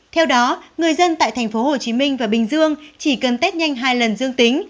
theo đó người dân tại tp hcm và bình dương chỉ cần test nhanh hai lần dương tính